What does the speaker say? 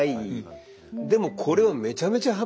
でもこれはめちゃめちゃハッピーで。